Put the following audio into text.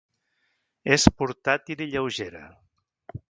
És portàtil i lleugera.